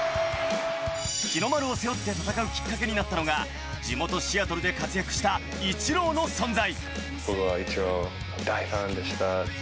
日の丸を背負って戦うきっかけになったのは地元・シアトルで活躍したイチローの存在。